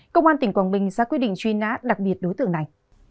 công an tỉnh quảng bình sẽ quyết định chuy nã đặc biệt đối tượng này